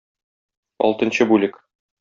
Алтынчы бүлек.